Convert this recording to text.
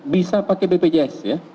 bisa pakai bpjs ya